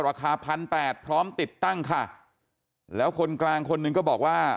ราคา๑๘๐๐บาทพร้อมติดตั้งค่ะแล้วคนกลางคนนึงก็บอกว่า